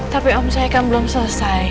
tapi om saya kan belum selesai